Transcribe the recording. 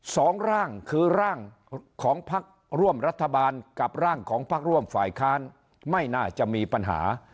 สองร่างคือร่างของพักร่วมรัฐบาลกับร่างของพักร่วมฝ่ายค้านไม่น่าจะมีปัญหา